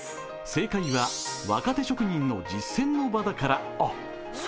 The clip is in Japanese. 正解は、若手職人の実践の場だから。